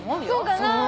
そうかな？